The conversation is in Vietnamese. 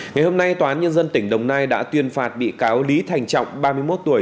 ngày hôm nay tòa án nhân dân tỉnh đồng nai đã tuyên phạt bị cáo lý thành trọng ba mươi một tuổi